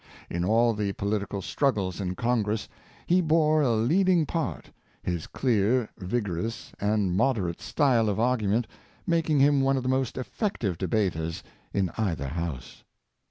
In all the political strug gles in Congress he bore a leading part, his clear, vigo rous, and moderate ^tyX^ of argument making him one of the most effective debaters in either House.